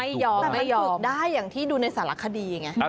ไม่ยอมไม่ยอมแต่มันฝึกได้อย่างที่ดูในสารคดีไง